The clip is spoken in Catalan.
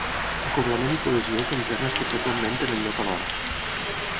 Acoblament i cohesió són termes que freqüentment tenen lloc alhora.